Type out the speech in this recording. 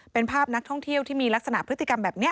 เป็นภาพนักท่องเที่ยวที่มีลักษณะพฤติกรรมแบบนี้